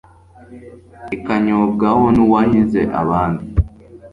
ikanyobwaho n'uwahize abandi